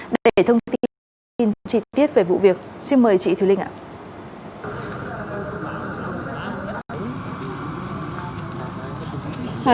để thông tin trị tiết về vụ việc xin mời chị thủy linh ạ